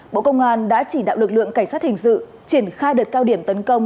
bộ công an đã chỉ đạo lực lượng cảnh sát hình sự triển khai đợt cao điểm tấn công